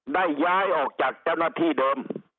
ได้ย้ายออกจากเจ้าหน้าที่เดิม